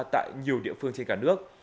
tại nhiều địa phương trên cả nước